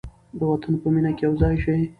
د وطن په مینه کې یو ځای شئ.